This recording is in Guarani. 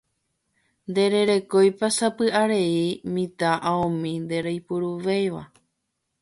Ndererekóipa sapy'arei mitã aomi ndereipuruvéiva